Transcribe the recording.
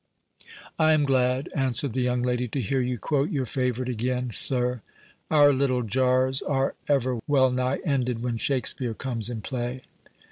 '" "I am glad," answered the young lady, "to hear you quote your favourite again, sir. Our little jars are ever wellnigh ended when Shakspeare comes in play."